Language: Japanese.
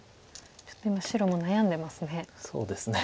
ちょっと今白も悩んでますね。